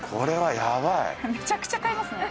めちゃくちゃ買いますね。